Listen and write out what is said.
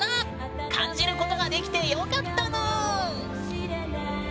感じることができてよかったぬん！